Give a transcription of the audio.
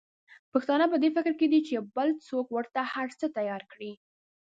پښتانه په دي فکر کې دي چې بل څوک ورته هرڅه تیار کړي.